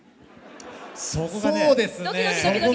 そうですね。